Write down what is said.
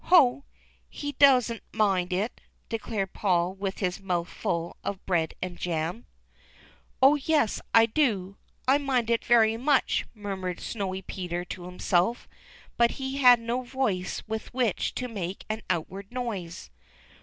" Ho, he don't mind it !" declared Paul Avith his mouth full of bread and jam. 340 THE CHILDREN'S WONDER BOOK. " Oh, yes, I do — I mind it very much," murmured Snowy Peter to himself, but he had no voice with which to make an outward noise.